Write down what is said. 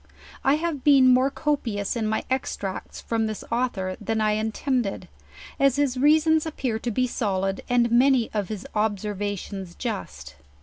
I have been more copious in my extracts from this author than I intended, as his reasons appear to be solid, and many of his observations just.